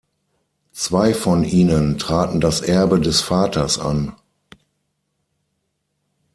Zwei von ihnen traten das Erbe des Vaters an.